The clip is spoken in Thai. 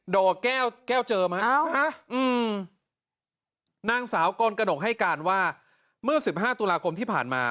ดอกแก้วแก้วเจิมฮะอืมนางสาวกรกนกให้การว่าเมื่อสิบห้าตุลาคมที่ผ่านมา